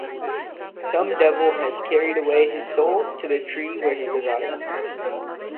Some devil has carried away his soul to the tree where he resides.